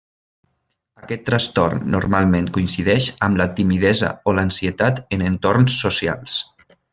Aquest trastorn normalment coincideix amb la timidesa o l'ansietat en entorns socials.